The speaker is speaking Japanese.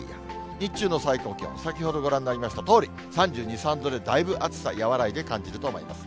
日中の最高気温、先ほどご覧になりましたとおり、３２、３度で、だいぶ暑さ和らいで感じると思います。